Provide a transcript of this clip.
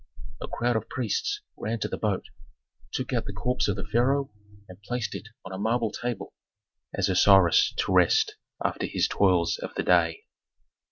A crowd of priests ran to the boat, took out the corpse of the pharaoh and placed it on a marble table, as Osiris to rest after his toils of the day.